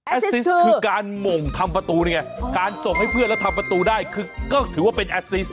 ซิสคือการหม่งทำประตูนี่ไงการส่งให้เพื่อนแล้วทำประตูได้คือก็ถือว่าเป็นแอดซิส